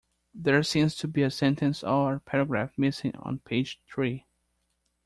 There seems to be a sentence or paragraph missing on page three.